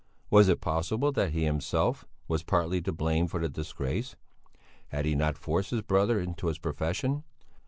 Was it possible that he himself, was partly to blame for the disgrace? Had he not forced his brother into his profession?